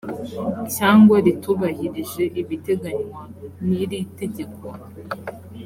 cyangwa ritubahirije ibiteganywa n iri tegeko